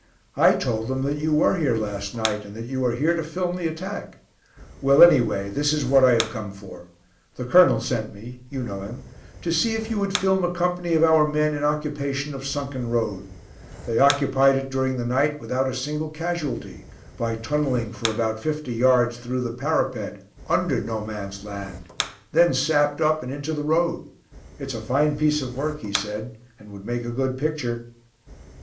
I told them that you were here last night, and that you are here to film the attack. Well, anyway, this is what I have come for. The Colonel sent me you know him to see if you would film a company of our men in occupation of Sunken Road. They occupied it during the night without a single casualty, by tunnelling for about fifty yards through the parapet, under 'No Man's Land'; then sapped up and into the road. It's a fine piece of work," he said, "and would make a good picture."